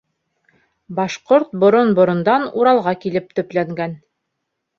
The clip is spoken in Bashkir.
Башҡорт борон-борондан Уралға килеп төпләнгән.